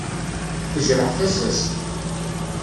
Tejreḥ tasa-s.